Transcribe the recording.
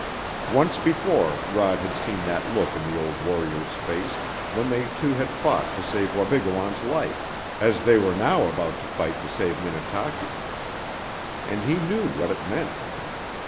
Once before Rod had seen that look in the old warrior's face, when they two had fought to save Wabigoon's life as they were now about to fight to save Minnetaki. And he knew what it meant.